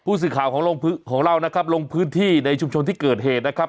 สื่อข่าวของเรานะครับลงพื้นที่ในชุมชนที่เกิดเหตุนะครับ